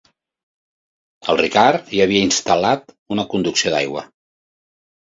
El Ricard hi havia instal·lat una conducció d'aigua.